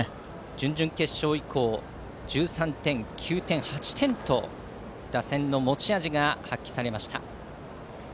準々決勝以降１３点、９点、８点と打線の持ち味が発揮されました。